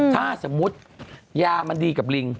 ถ้าสมมุติยามันดีกับลิง